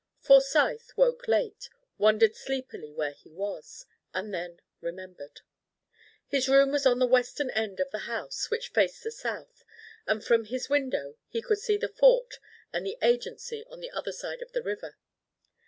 Forsyth woke late, wondered sleepily where he was, and then remembered. His room was at the western end of the house, which faced the south, and from his window he could see the Fort and the Agency on the other side of the river.